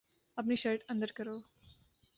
اپنی شرٹ اندر کرو